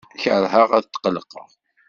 Keṛheɣ ad tqellqeɣ.